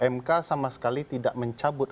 mk sama sekali tidak mencabut